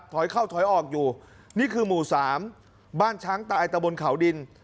ถอยเข้าถอยออกอยู่นี่คือหมู่สามบ้านช้างตายตะบนเขาดิน